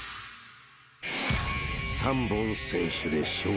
［３本先取で勝利］